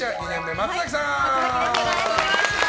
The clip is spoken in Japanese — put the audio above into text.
松崎です。